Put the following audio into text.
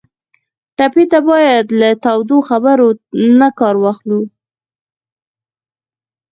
ټپي ته باید له تودو خبرو نه کار واخلو.